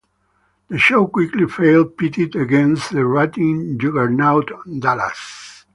The show quickly failed pitted against the ratings juggernaut "Dallas".